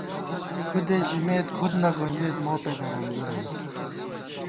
کھُدے ژِمېت کھُدہ نہ گومېت مو پېدہ رنځورَنی